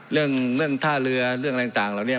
เรื่องเรื่องท่าเรือเรื่องอะไรต่างแล้วเนี้ย